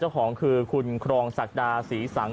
ของคือคุณครองศักดาศรีสังค์